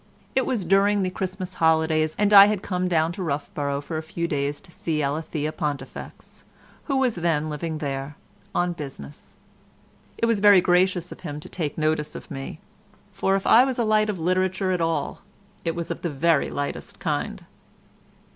It was during the Christmas holidays, and I had come down to Roughborough for a few days to see Alethea Pontifex (who was then living there) on business. It was very gracious of him to take notice of me, for if I was a light of literature at all it was of the very lightest kind.